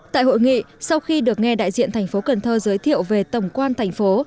tại hội nghị sau khi được nghe đại diện thành phố cần thơ giới thiệu về tổng quan thành phố